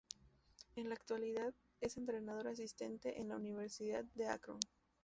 En la actualidad es entrenador asistente en la Universidad de Akron.